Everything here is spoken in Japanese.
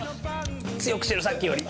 強くしてるさっきより。